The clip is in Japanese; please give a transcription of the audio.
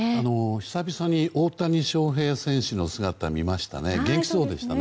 久々に大谷翔平選手の姿を見ましたね。